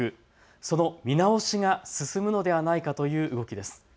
その見直しが進むのではないかという動きです。